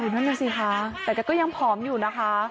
นั่นน่ะสิคะแต่แกก็ยังผอมอยู่นะคะ